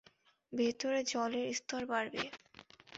ভেতরে জলের স্তর বাড়বে।